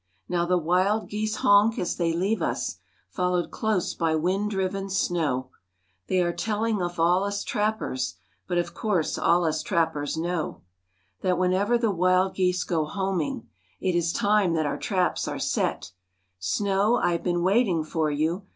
Now the wild geese honk as they leave us, Followed close by wind driven snow; They are telling all of us trappers, But, of course, all us trappers know That whenever the wild geese go homing, It is time that our traps are set;— Snow, I have been waiting for you!